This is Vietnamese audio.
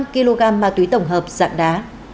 năm kg ma túy tổng hợp dạng đá